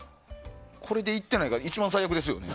これでいってないが一番最悪ですよね。